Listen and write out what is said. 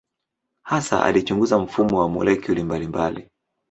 Hasa alichunguza mfumo wa molekuli mbalimbali.